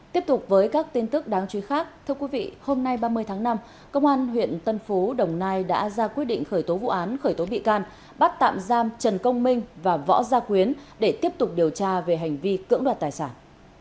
tiếp tục với các tin tức đáng chú ý khác thưa quý vị hôm nay ba mươi tháng năm công an huyện tân phú đồng nai đã ra quyết định khởi tố vụ án khởi tố bị can bắt tạm giam trần công minh và võ gia khuyến để tiếp tục điều tra về hành vi cưỡng đoạt tài sản